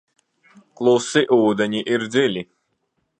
Klusi ūdeņi ir dziļi.